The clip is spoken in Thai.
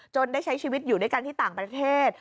ได้ใช้ชีวิตอยู่ด้วยกันที่ต่างประเทศ